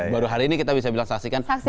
baru hari ini kita bisa bilang saksikan